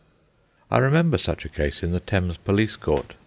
I remember such a case in the Thames Police Court.